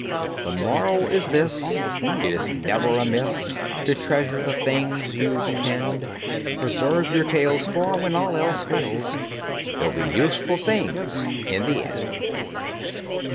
THE MORAL is this: It is never amiss To treasure the things you've penned: Preserve your tales, for, when all else fails, They'll be useful things in the end.